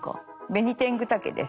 ベニテングタケです。